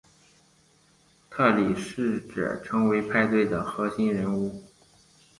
特里试着成为派对的核心人物。